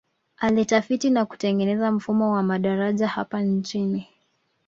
Alitafiti na kutengeneza mfumo wa madaraja hapa nchini